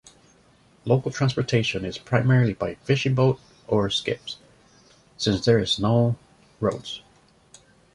Local transportation is primarily by fishing boats or skiffs, since there are no roads.